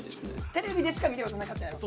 テレビでしか見たことなかったやろ。